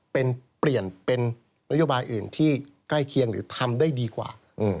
เป็นเปลี่ยนเป็นนโยบายอื่นที่ใกล้เคียงหรือทำได้ดีกว่า